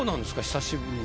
久しぶりに。